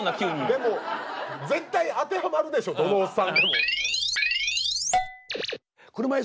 でも絶対当てはまるでしょどのおっさんでも。